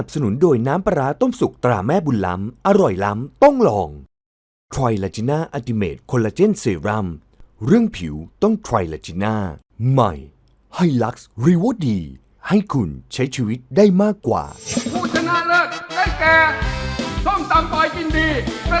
ผู้ชนะเลิศและแกส้มตำปลอยกินดีสลัดสีที่หนึ่งทุกเวที